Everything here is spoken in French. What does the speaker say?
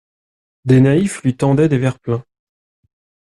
Des naïfs lui tendaient des verres pleins.